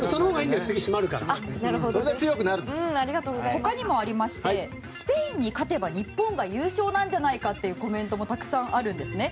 他にもありましてスペインに勝てば日本が優勝なんじゃないかというコメントもたくさんあるんですね。